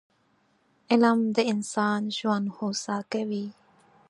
علم د انسان ژوند هوسا کوي